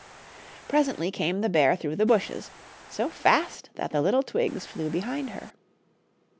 Presently came the bear through the bushes, so fast that the little twigs flew behind her.